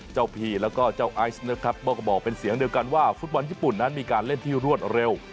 พีแล้วก็เจ้าไอซ์นะครับก็บอกเป็นเสียงเดียวกันว่าฟุตบอลญี่ปุ่นนั้นมีการเล่นที่รวดเร็ว